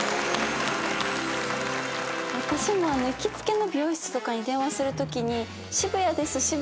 私も行きつけの美容室とかに電話するときに。